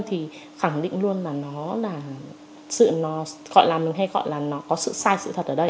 thì khẳng định luôn là nó là sự nó gọi làm mình hay gọi là nó có sự sai sự thật ở đây